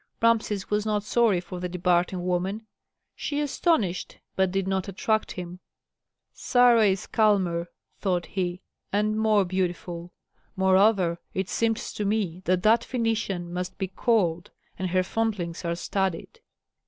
Rameses was not sorry for the departing woman; she astonished, but did not attract him. "Sarah is calmer," thought he, "and more beautiful. Moreover, it seems to me that that Phœnician must be cold, and her fondlings are studied."